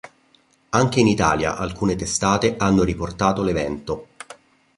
Anche in Italia alcune testate hanno riportato l'evento.